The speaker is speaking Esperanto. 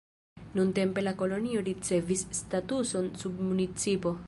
Nuntempe la kolonio ricevis statuson submunicipo.